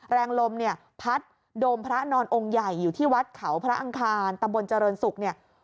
แรงลมพัดโดมพระนอนองใหญ่อยู่ที่วัดเขาพระอังคารตะบนเจริญศุกร์